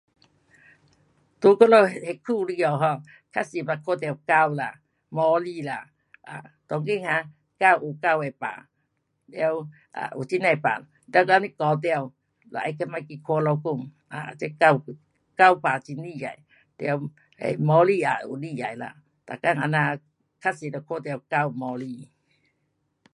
在我们市区里下 um 较多是看到狗啦，猫咪啦，um 当今 um 狗有狗的病，了有这样的病，了若是咬到得要快点去看医生。um 这狗病很厉害，了猫咪也有厉害啦。每天这样较多就看到狗，猫咪。